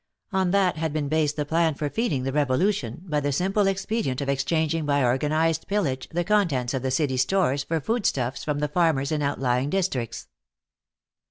On that had been based the plan for feeding the revolution, by the simple expedient of exchanging by organized pillage the contents of the city stores for food stuffs from the farmers in outlying districts.